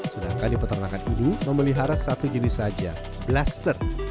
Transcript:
sedangkan di peternakan udu memelihara satu jenis saja blaster